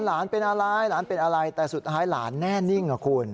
หลานเป็นอะไรหลานเป็นอะไรแต่สุดท้ายหลานแน่นิ่งอ่ะคุณ